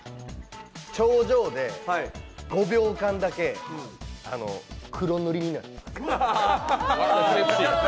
頂上で５秒間だけ黒塗りになる。